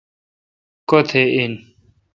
کتھ این۔